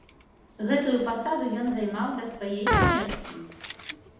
Гэтую пасаду ен займаў да сваей смерці.